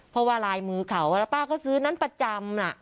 เพราะว่าลายมือเขาแล้วป้าเขาซื้อนั้นประจำน่ะ